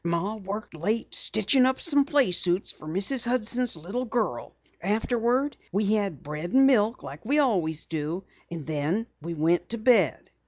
"Ma worked late stitchin' up some playsuits for Mrs. Hudson's little girl. Afterwards we had bread and milk like we always do, and then we went to bed."